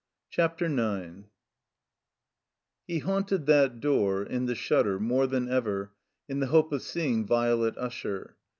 CHAPTER IX HE haunted that door in the shutter more than ever in the hope of seeing Violet Usher.